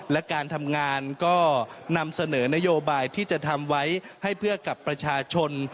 และการทำงานก็นำเสนอนโยบายที่จะทำไว้ให้เพื่อกับประชาชน